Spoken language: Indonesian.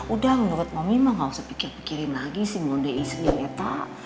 udah menurut mami mah gak usah pikir pikirin lagi si monde ismin ya tak